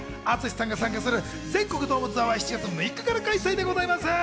ＡＴＳＵＳＨＩさんが参加する全国ドームツアーは７月６日から開催でございます。